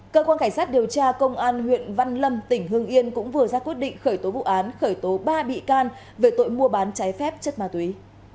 cơ quan cảnh sát điều tra công an huyện văn lâm tỉnh hương yên cũng vừa ra quyết định khởi tố vụ án khởi tố ba bị can về tội mua bán trái phép chất ma túy